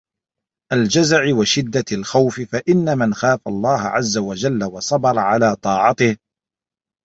الْجَزَعِ وَشِدَّةِ الْخَوْفِ فَإِنَّ مَنْ خَافَ اللَّهَ عَزَّ وَجَلَّ وَصَبَرَ عَلَى طَاعَتِهِ